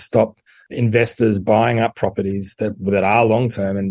sebagai bagian dari solusi yang lebih luas